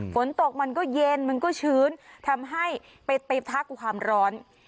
ฝนตกมันก็เย็นมันก็ชื้นทำให้ไปตีทักกับความร้อน